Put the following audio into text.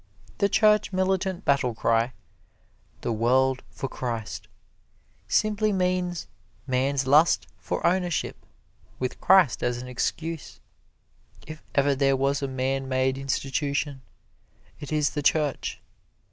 The church militant battle cry, "The world for Christ," simply means man's lust for ownership, with Christ as an excuse. If ever there was a man made institution, it is the Church.